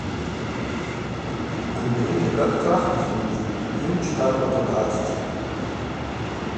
Андрей, ага дшӏахмызтынгьи, йымч таркӏвата дгӏацӏцӏтӏ.